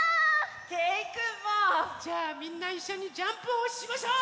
けいくんも！じゃあみんないっしょにジャンプをしましょう！